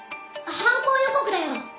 犯行予告だよ。